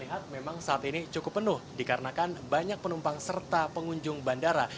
lihat memang saat ini cukup penuh dikarenakan banyak penumpang serta pengunjung bandara